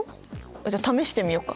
じゃあ試してみようか。